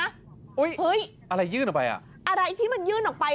เฮ้ยอะไรยื่นออกไปอ่ะอะไรที่มันยื่นออกไป